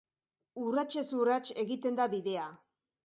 Urratsez urrats egiten da bidea.